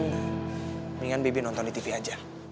lebih baik kamu menonton di tv saja